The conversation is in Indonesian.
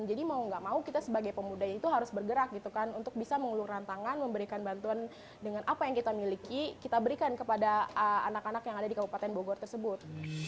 jadi mau gak mau kita sebagai pemuda itu harus bergerak gitu kan untuk bisa mengulurkan tangan memberikan bantuan dengan apa yang kita miliki kita berikan kepada anak anak yang ada di kabupaten bogor tersebut